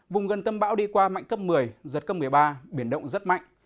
vùng gần tâm bão đi qua mạnh cấp một mươi giật cấp một mươi ba biển động rất mạnh